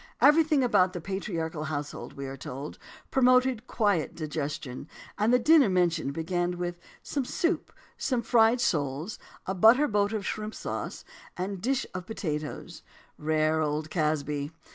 "Everything about the patriarchal household," we are told, "promoted quiet digestion"; and the dinner mentioned began with "some soup, some fried soles, a butter boat of shrimp sauce, and a dish of potatoes." Rare old Casby!